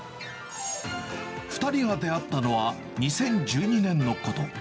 ２人が出会ったのは２０１２年のこと。